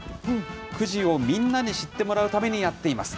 久慈をみんなに知ってもらうためにやっています。